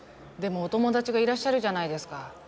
でもお友達がいらっしゃるじゃないですか。